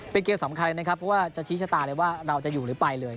เป็นเกมสำคัญนะครับเพราะว่าจะชี้ชะตาเลยว่าเราจะอยู่หรือไปเลย